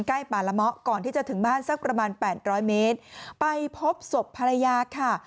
ป่าละเมาะก่อนที่จะถึงบ้านสักประมาณแปดร้อยเมตรไปพบศพภรรยาค่ะ